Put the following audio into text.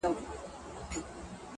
ډېر هوښیار وو د خپل کسب زورور وو-